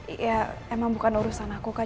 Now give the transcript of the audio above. iya emang bukan urusan aku kak